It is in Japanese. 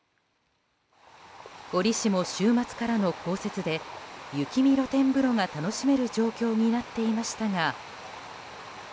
折しも週末からの降雪で雪見露天風呂が楽しめる状況になっていましたが。